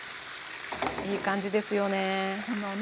いい感じですよね。